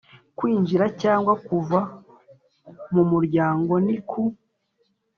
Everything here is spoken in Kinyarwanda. Kwinjira cyangwa kuva mu muryango ni ku